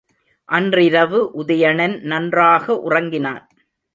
அன்றிரவு உதயணன் நன்றாக உறங்கினான்.